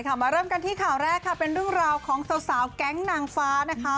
มาเริ่มกันที่ข่าวแรกค่ะเป็นเรื่องราวของสาวแก๊งนางฟ้านะคะ